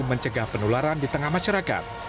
mencegah penularan di tengah masyarakat